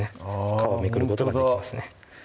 皮をめくることができますね